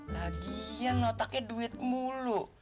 lagian otaknya duit mulu